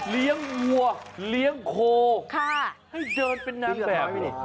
เลี้ยงวัวเลี้ยงโคค่ะให้เดินเป็นนางแบบนี้